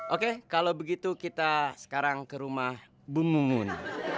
oke kalau begitu kita sekarang ke rumah bu mumun